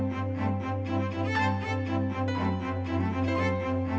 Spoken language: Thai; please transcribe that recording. ทุกคนพร้อมแล้วขอเสียงปลุ่มมือต้อนรับ๑๒สาวงามในชุดราตรีได้เลยค่ะ